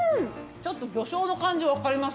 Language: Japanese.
ちょっと魚醤の感じ分かります